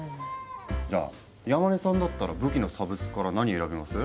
じゃあ山根さんだったら武器のサブスクから何選びます？